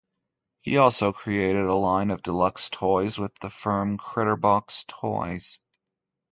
He also created a line of deluxe toys with the firm Critterbox Toys.